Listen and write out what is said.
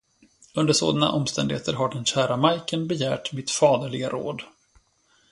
Under sådana omständigheter har den kära Majken begärt mitt faderliga råd.